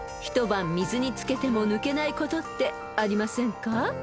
［一晩水に漬けても抜けないことってありませんか？］